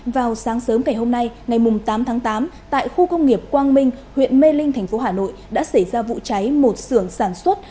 vào sáng sớm ngày hôm nay ngày tám tháng tám tại khu công nghiệp quang minh huyện mê linh thành phố hà nội đã xảy ra vụ cháy một sưởng sản xuất